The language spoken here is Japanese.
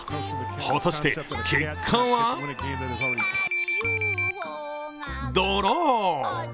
果たして結果はドロー。